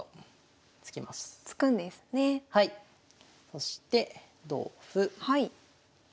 そして同歩。